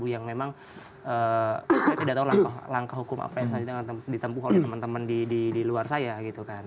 yang memang saya tidak tahu langkah hukum apa yang akan ditempuh oleh teman teman di luar saya gitu kan